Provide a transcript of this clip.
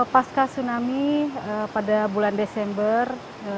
paskasunami pada bulan desember dua ribu delapan belas